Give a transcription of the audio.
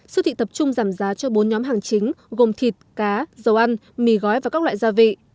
siêu thị tập trung giảm giá cho bốn nhóm hàng chính gồm thịt cá dầu ăn mì gói và các loại gia vị